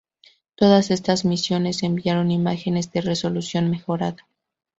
Todas estas misiones enviaron imágenes de resolución mejorada.